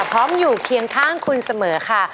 พร้อมอยู่เคียงข้างคุณเสมอค่ะ